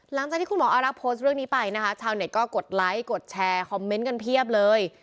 หลังจากที่คุณหมออารักษ์โพสต์เรื่องนี้ไปนะคะชาวเน็ตก็กดไลค์กดแชร์คอมเมนต์กันเพียบเลย